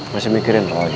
masih mikirin roy